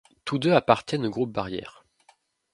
Tous deux appartiennent au groupe Barrière.